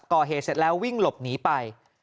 ก่อเหตุเสร็จแล้ววิ่งหลบหนีไป